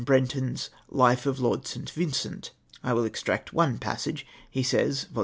Breiitoii's ' Life of Lord St. Vincent." I will extract one passage. He says (vol.